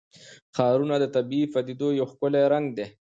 ښارونه د طبیعي پدیدو یو ښکلی رنګ دی.